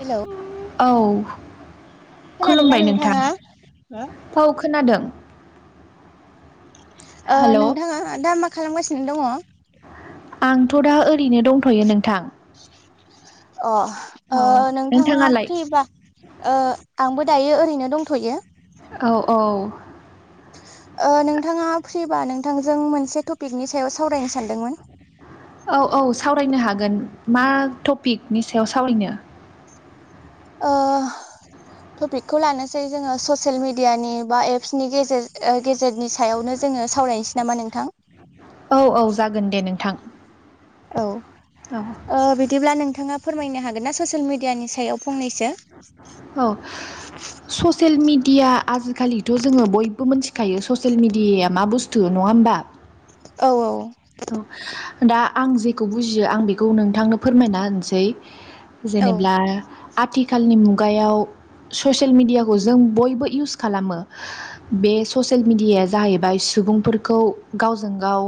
हेल'! औ खोनादोंना खुलुमबाय नोंथां। नोंथाङा औ खोनादों। ओ हेल' नोंथाङा दा मा खालामगासिनो दङ? आंथ' दा ओरैनो दंथ'यो नोंथां। अ ओ अ नोंथाङा नोंथाङालाय फ्रिबा ओ आंबो दायो ओरैनो दंथ'यो। औ औ। ओ नोंथाङा फ्रिबा नोंथांजों मोनसे टपिकनि सायाव सावरायनो सानदोंमोन। औ औ सावरायनो हागोन मा टपिकनि सायाव सावरायनो? ओ टपिकखौ लानोसै जोङो ससियेल मिडियानि बा एप्सनि गेजेर ओ गेजेरनि सायावनो जोङो सावरायनोसै नामा नोंथां। औ औ जागोन दे नोंथां। औ औ ओ बिदिब्ला नोंथाङा फोरमायनो हागोन ना? ससियेल मिडियानि सा सायाव फंनैसो। औ ससियेल मिडिया आजिखालिथ' जोङो बयबो मिथिखायो ससियेल मिडियाया मा बुस्थु नङा होमबा? औ औ दा आं जेखौ बुजियो आं बेखौ नोंथांनो फोरमायना होनसै। औ जेनेब्ला आथिखालनि मुगायाव ससियेल मेडियाखौ जों बयबो इउस खालामो। बे ससियेल मिडियाया जाहैबाय सुबुंफोरखौ गावजों गाव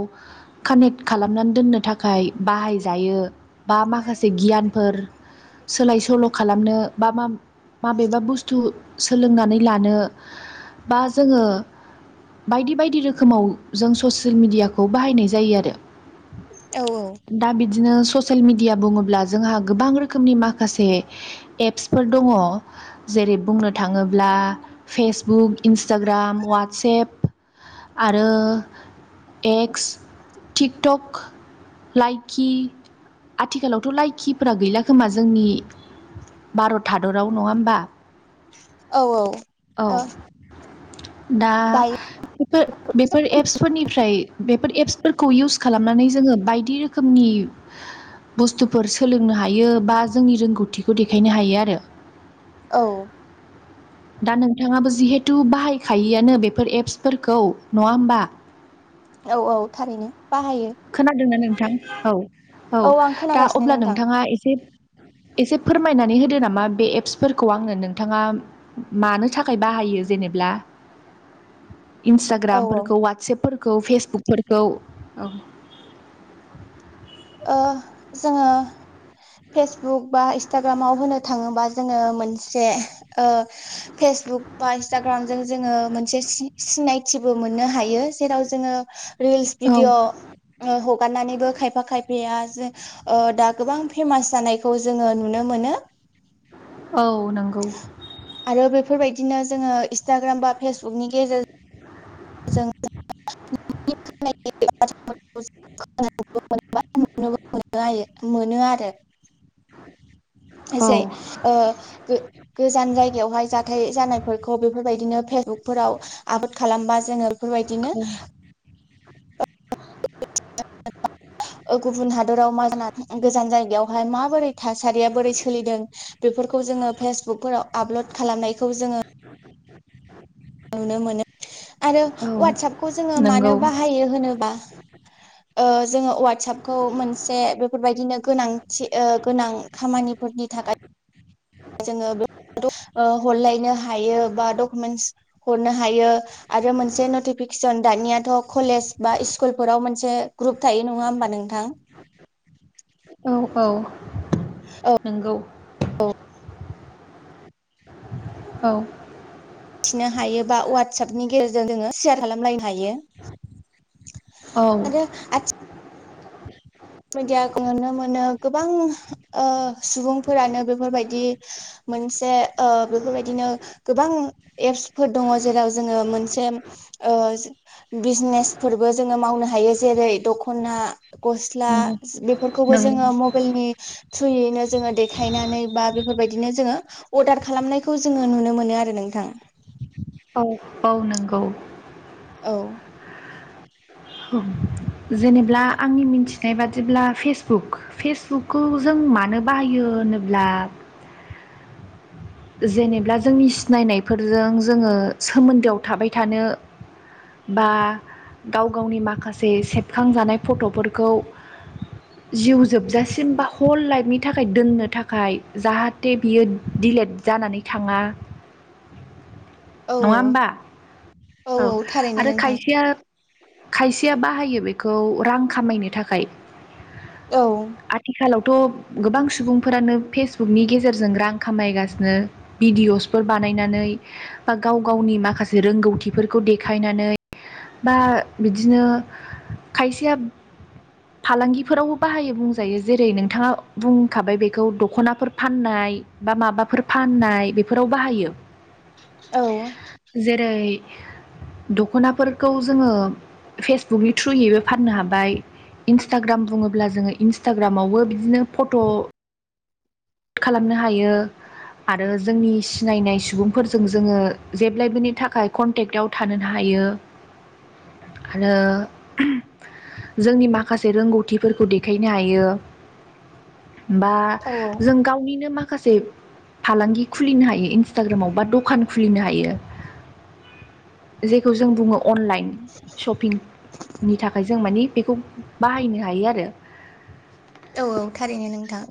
कानेक्ट खालामनानै दोननो थाखाय बाहाय जायो बा माखासे गियानफोर सोलाय सोल' खालामनो बा मा माबेबा बुस्थु सोलोंनानै लानो बा जोङो बायदि बायदि रोखोमाव जों ससियेल मिडियाखौ बाहायनाय जायो आरो। औ औ। दा बिदिनो ससियेल मेडिया बुङोब्ला जोंहा गोबां रोखोमनि माखासे एप्सफोर दङ'। जेरै बुंनो थाङोब्ला फेसबुक, इन्सटाग्राम, वाट्सेएप आरो एक्स, थिकटक, लाइक खि। आथिखालावथ' लाइखिफोरा गैला खोमा जोंनि भारत हादराव नङा होमबा? औ औ औ। ओ दा दायो बेफोर बेफोर एप्सफोरनिफ्राय बेफोर एप्स फोरखौ इउस खालामनानै जोङो बायदि रोखोमनि बुस्थुफोर सोलोंनो हायो बा जोंनि रोंगौथिखौ देखायनो हायो आरो। औ। दा नोंथाङाबो जिहेथु बाहायखायोआनो बेफोर एप्सफोरखौ नङा होमबा? औ औ थारैनो बाहायो। खोनादोंना नोंथां औ औ आं दा खोनागासिनो अब्ला नोंथां नोंथाङा एसे एसे फोरमायनानै होदो नामा? बे एप्सफोरखौ आंनो नोंथाङा मानो थाखाय बाहायो जेनेब्ला? [inaudible] औ औ इन्सटाग्रामफोरखौ वाटसेपफोरखौ फेसबुकफोरखौ। ओ जोङो फेसबुक बा इन्सटाग्रामाव होनो थाङोबा जोङो मोनसे ओ फेसबुक बा इन्सटाग्रामजों जोङो मोनसे सि सिनायथिबो मोननो हायो जेराव जोङ रिल्स औ भिदिअ हगारनानैबो खायफा खायफ बेया जे ओ दा गोबां फेमास जानायखौ जोङो नुनो मोनो। औ नंगौ। आरो बेफोरबायदिनो जोङो इन्सटाग्राम बा फेसबुकनि गेजेर जों। [unintelligible] औ जाय ओ गो गोजान जायगायावहाय जाथाय जानायफोरखौ बेफोरबायदिनो फेसबुकफोराव आबोद खालामबा जोङो बेफोरबायदिनो औ ओ गुबुन हादराव मा ज गोजान जायगायावहाय माबोरै थासारिया बोरै सोलिदों बेफोरखौ जोङो फेसबुकफोराव आपल'ड खालामनायखौ जोङो [unintelligible] नुनो मोनो आरो औ ववाटसपखौ जोङो मानो नंगौ बाहायो होनोबा ओ जोङो वाटसपखौ मोनसे बेफोरबायदिनो गोनांथि ओ गोनां खामानिफोरनि थाखाय जोङो ओ हरलायनो बा डकुमेन्टस हरनो हायो। आरो मोनसे नटिफिकेसन दानियाथ' कलेज बा स्कुलफोराव मोनसे ग्रुप थायो नङा होमबा नोंथां? औ औ नोंगौ। औ थिनो हायोबा वाट्सएपनि गेजेरजों जोङो सेयार खालामल लाय हायो‌ औ आरो आथिक मिडियाखौ नुनो मोनो गोबां ओ सुबुंफोरानो बेफोरबायदि मोनसे ओ बेफोरबायदिनो गोबां एप्सफोर दङ जेराव जोङो मोनसेम ओ बिजनेसफोरबो जोङो मावनो हायो जेरै दखना गस ला नंगौ बेफोरखौबो नंगौ जोङो मबाइलनि थ्रुयैनो जोङो देखायनानै बा बेफोरबायदिनो जोङो अर्डार खालामनायखौ जोङो नुनो मोनो आरो नोंथां। औ औ नंगौ। औ। जेनेब्ला आंनि मिथिनाय बादिब्ला फेसबुक फेसबुक खौ जों मानो बाहायो होनोब्ला जेनेब्ला जोंनि सिनायनायफोरजों जोङो सोमोन्दोआव थाबाय थानो बा गाव गावनि माखासे सेबखांजानाय फटफोरखौ जिउ जोबजासिम बा हल लाइफनि थाखाय दोननो थाखाय जाहाथे बियो दिलेट जानानै थाङा। औ नङा होमबा औ आरो खायसेया खायसेया बाहायो बेखौ रां खामायनो थाखाय। औ। आथिखालावथ गोबां सुबुंफोरानो फेसबुकनि गेजेरजों रां खामायगासिनो। भिडिअ'सफोर बानायनानै बा गाव गावनि माखासे रोंगौथिफोरखौ देखायनानै बा बिदिनो खायसेयाब फालांगिफोरावबो बाहायो बुंजायो जेरै नोंथाङा बुंखाबाय बेखौ दख'नाफोर फाननाय बा माबाफोर फाननाय बेफोराव बाहायो। औ। [unintelligible] जेरै दख'नाफोर खौ जोङो फेसबुकनि थ्रुयैबो फाननो हाबाय। इन्सटाग्राम बुङोब्ला जोङो इन्सटाग्रामावबो बिदिनो फट' खालामनो हायो। आरो जोंनि सिनायनाय सुबुंफोरजों जोङो जेब्लायबोनि थाखाय कन्टेक्टआव थानोनो हायो। [unintelligible] आरो [unintelligible] जोंनि माखासे रोंगौथिफोरखौ देखायनो हायो बा औ जों गावनिनो माखासे फालांगि खुलिनो हायो इन्सटाग्रामाव बा दखान खुलिनो हायो। जेखौ जों बुङो अनलाइन सपिंनि थाखाय जों मानि बेखौब बाहायनो हायो आरो। औ औ थारैनो नोंथां।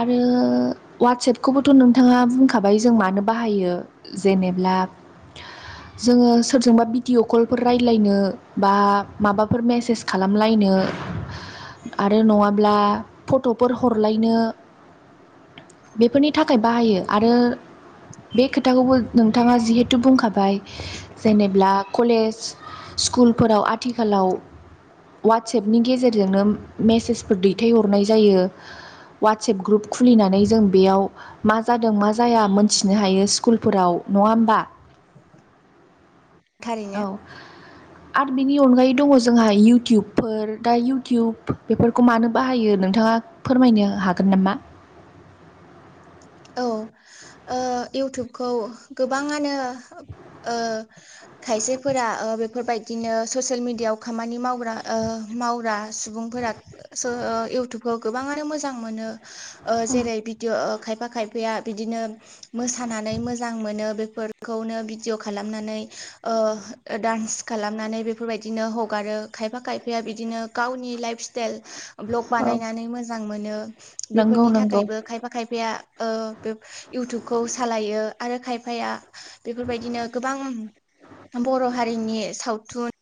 आरो उवाटसेएपखौबोथ' नोंथाङा बुंखाबाय जों मानो बाहायो [unintelligible] जेनेब्लाब [unintelligible] जोङो सोरजोंबा बिडिअ' कलफोर रायज्लायनो बा माबाफोर मेसेज खालामलायनो आरो नङाब्ला ट'फोर हरलायनो बेफोरनि थाखाय बाहायो आरो बे खोथाखौबो नोंथाङा जिहेथु बुंखाबाय जेनेब्ला खलेज स्कुलफोराव आथिखालाव उवाटसएपनि गेजेरजोंनो मेसेजफोर दैथायहरनाय जायो। उवाटसेएप ग्रुप खुलिनानै जों बेयाव मा जादों मा जाया मोनथिनो हायो स्कुलफोराव नङा होमबा? थारैनो औ। आरो बिनि अनगायै दङ' जोंहा इउटुबफोर दा इउटुब बेफोरखौ मानो बाहायो नों थाङा फोरमायनो हागोन नामा? औ ओ इउथुबखौ गोबाङानो ओ खायसेफोरा ओ बेफोरबायदिनो ससियेल मिडियायाव खामानि मावग्रा ओ मावरा सुबुंफोरा [unintelligible] सो ओ इउथुबखो गोबाङानो मोजां मोनो। ओ जेरै बिदिअ' ओ खायफा खायफाया बिदिनो मोसानानै मोजां मोनो बेफोरखौनो बिडिय' खालामनानै ओ ओ दान्स खालामनानै बेफोरबायदिनो हगारो खायफा खायफाया बिदिनो गावनि लाइफस टेल ब्लग औ बानायनानै मोजां मोनो नंगौ बेफोरनि नंगौ थाखायबो खायफा खायफाया ओ बे इउटुबखौ सालायो आरो खायफाया बेफोरबायदिनो गोबां बर' हारिनि सावथुन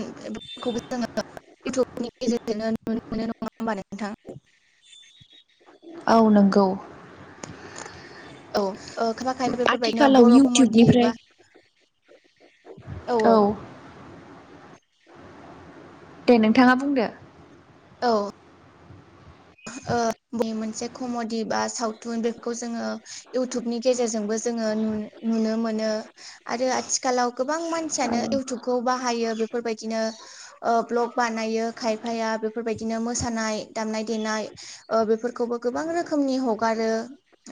उम बेफोरखौबो जोङो इउटुबनि गेजेरजोंनो नुनो नङा होमबा नोंथां औ नोंगौ औ ओ खायफा उम खायफा बेफोरबायदिनो आथिखालाव बर' कमेडि बा इउटुबनिफ्राय औ। दे नोंथाङा बुंदो औ। ओ बे मोनसे खमडि बा सावथुन बेफोरखौ जोङो इउथुबनि गेजेरजोंबो जोङो नुन नुनो मोनो। आरो आथिखालाव गोबां औ मानसियानो इउथुबखौ बाहायो बेफोरबायदिनो ओ ब्लग बानायो खायफाया बेफोरबायदिनो मोसानाय दामनाय देनाय ओ बिफोरखौबो गोबां रोखोमनि हगारो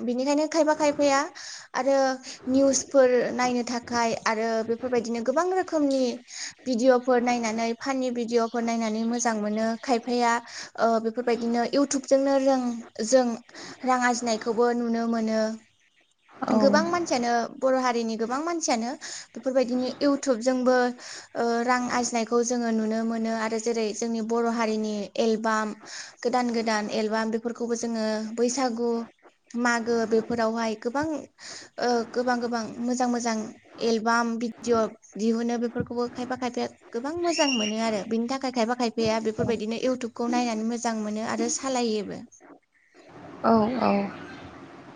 बिनिखायनो खायफा खायफाया आरो निउसफोर नायनो थाखाय आरो बेफोरबायदिनो गोबां रोखोमनि भिडिअफोर नायनानै फानि भिडिअफोर नायनानै मोजां मोनो खायफाया ओ बेफोरबायदिनो इउ जोंनो रों जों रांनआरजिनायखौबो नुनो मोनो औ गोबां मान सियानो बर' हारिनि गोबां मानसियानो बेफोरबायदिनो इउटुबजोंबो ओ रां आरजिनायखौ जोङो नुनो मोनो आरो। जेरै जोंनि बर हारिनि एलबाम गोदान गोद गोदान एलबाम बेफोरखौबो जोङो बैसागु मागो बेफोरावहाय गोबां ओ गोबां गोबां मोजां मोजां एलबाम भिडिअ दिहुनो बेफोरखौबो खायफा खायफाया गोबां मोजां मोनो आरो बेनि थाखाय खायफा खायफ गैया बेफोरबायदिनो इउटुबखौ नायनानै मोजां मोनो आरो सालायोबो। औ औ।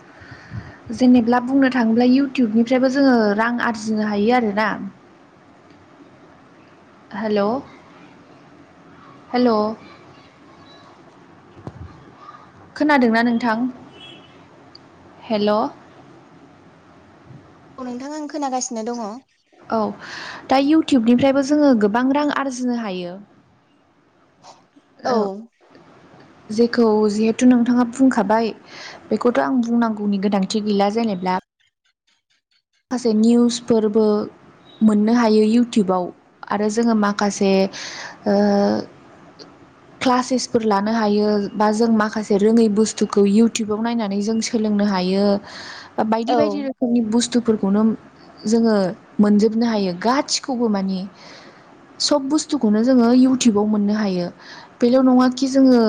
[inaudible] जेनेब्ला बुंनो थाङोब्ला इउटुबनिफ्रायबो जोङो रां आरजिनो हायो आरोना। [inaudible] हेल' हेल' खोनादोंना नोंथां? हेल' औ नोंथां आं खोनागासिनो दङ। औ दा इउटुबनिफ्रायबो जोङो गोबां रां आरजिनो हायो। औ जेखौ जिहेथु नोंथाङा बुंखाबाय। बेखौथ' आं बुंनांगौनि गोनांथि गैला जेनेब्ला। खासे निउसफोरबो मोननो हायो इउटुबाव आरो जोङो माखासे ओ- [inaudible] क्लासेसफोर लानो हायो बा जों माखासे रोङै बुस्थुखौ इयउटुबाव नायनानै जों सोलोंनो हायो। [inaudible] बा बायदि बायदि रोखोमनि बुस्थु फोरखौनो जोङो मोनजोबनो हायो गासिखौबो मानि। सब बुस्थुखौनो जोङो इउटुबाव मोननो हायो। बेल' नङााखि जोङो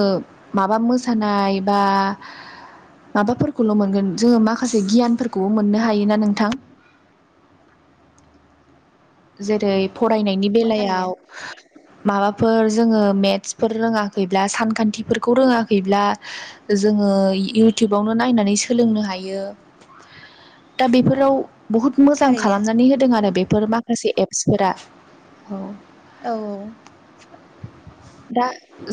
माबा मोसानाय बा। माबाफोरखौल' मोनगोन जोङो माखासे गियानफोरखौबो मोननो हायोना नोंथां? जेरै फरायनायनि बेलायाव। [inaudible] माबाफोर जोङो मेथ्सफोर रोङाखैब्ला सानखान्थिफोरखौ रोङाखैब्ला जोङो इउटुबावनो नायनानै सोलोंनो हायो। दा बेफोराव बहुद मोजां थारैनो खालामनानै होदों आरो बेफोर माखासे एप्सफोरा औ। औ दा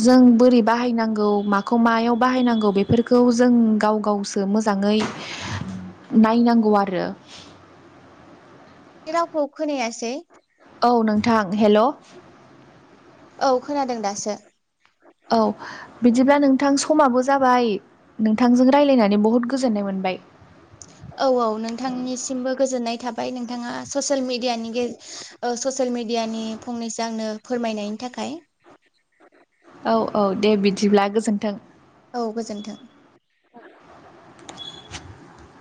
जों बोरै बाहायनांगौ माखौ मायाव बाहायनांगौ बेफोरखौ जों गाव गावसो मोजाङै। [inaudible] नायनांगौ आरो रावखौ खोनायासै औ नोंथां हेल' औ खोनादों दासो औ बिदिब्ला नोंथां समाबो जाबाय। नोंथांजों रायज्लायनानै बहुद गोजोननाय मोनबाय औ औ नोंथांनिसिमबो गोजोननाय थाबाय नोंथाङा ससियेल मिडियानि गेज ओ-ससियेल मिडियानि फंनैसो आंनो फोरमायनायनि थाखाय। औ औ दे बिदिब्ला गोजोन्थों। औ गोजोन्थों।